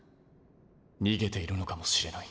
逃げているのかもしれない？